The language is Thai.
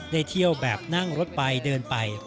ได้เที่ยวแบบนั่งรถไปเดินไป